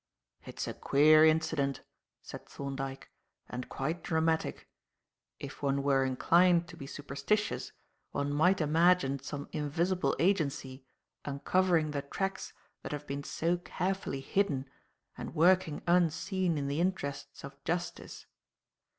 "It's a queer incident," said Thorndyke, "and quite dramatic. If one were inclined to be superstitious one might imagine some invisible agency uncovering the tracks that have been so carefully hidden and working unseen in the interests of justice.